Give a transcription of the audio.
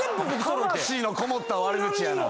魂のこもった悪口やな。